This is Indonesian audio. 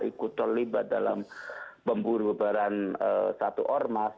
ikut terlibat dalam pemburu barang satu ormas